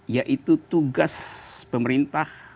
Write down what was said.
yaitu tugas pemerintah